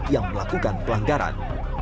yang melakukan pelanggaran